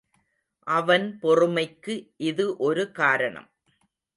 அவன் பொறுமைக்கு இது ஒரு காரணம்.